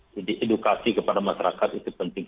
jadi edukasi kepada masyarakat itu penting